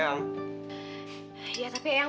aku cuma marah sama eyang